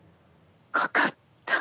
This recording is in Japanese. かかった。